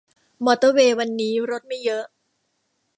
มอเตอร์เวย์วันนี้รถไม่เยอะ